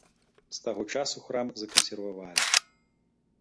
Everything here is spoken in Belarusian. З таго часу храм закансервавалі.